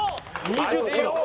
２０キロ。